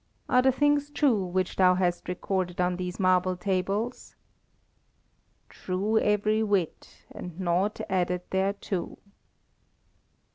Are the things true which thou hast recorded on these marble tables?" "True every whit, and nought added thereto."